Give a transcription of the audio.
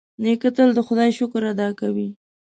نیکه تل د خدای شکر ادا کوي.